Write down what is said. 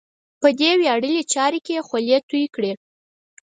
په دې ویاړلې چارې کې یې خولې تویې کړې.